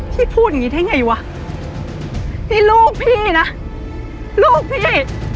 พูดอย่างงี้ได้ไงวะนี่ลูกพี่นะลูกพี่